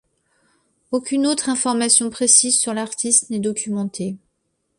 Aucune autre information précise sur l'artiste n'est documentée.